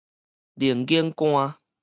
龍眼乾